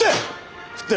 振って！